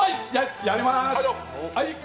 やりまーす。